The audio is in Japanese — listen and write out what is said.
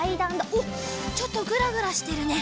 おっちょっとぐらぐらしてるね。